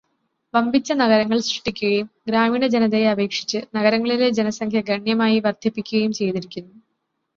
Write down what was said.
വമ്പിച്ച നഗരങ്ങൾ സൃഷ്ടിക്കുകയും ഗ്രാമീണജനതയെ അപേക്ഷിച്ച് നഗരങ്ങളിലെ ജനസംഖ്യ ഗണ്യമായി വർദ്ധിപ്പിക്കുകയും ചെയ്തിരിക്കുന്നു.